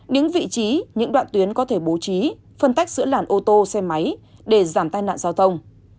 những vị trí những đoạn tuyến có thể bố trí phân tách giữa làn ô tô xe máy để giảm tai nạn giao thông